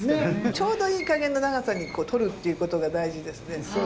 ちょうどいい加減の長さにとるっていうことが大事ですね。